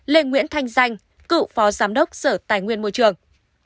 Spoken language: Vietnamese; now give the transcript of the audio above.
lê nguyễn thanh danh cựu phó giám đốc sở tài nguyên môi trường